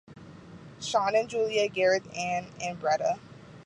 Sean and Julia, Gareth, Ann, and Breda.